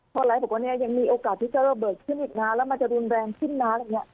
พอไลฟ์บอกว่าเนี่ยยังมีโอกาสที่จะระเบิดขึ้นอีกนะแล้วมันจะรุนแรงขึ้นนะอะไรอย่างนี้